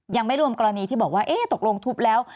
ยังไม่รวมกรณีที่บอกว่าเอ๊ะตกลงทุบแล้ว